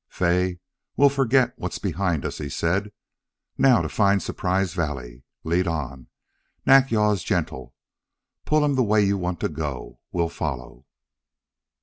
"Fay, we'll forget what's behind us," he said. "Now to find Surprise Valley. Lead on. Nack yal is gentle. Pull him the way you want to go. We'll follow."